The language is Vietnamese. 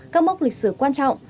các mốc lịch sử quan trọng